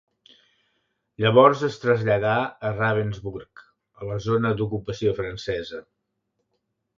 Llavors, es traslladà a Ravensburg, a la zona d'ocupació francesa.